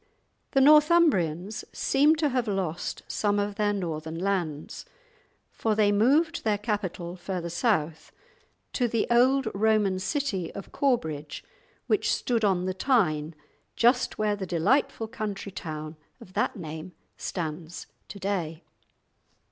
The Northumbrians seem to have lost some of their northern lands, for they moved their capital further south, to the old Roman city of Corbridge which stood on the Tyne just where the delightful country town of that name stands to day.